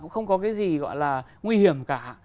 không có cái gì gọi là nguy hiểm cả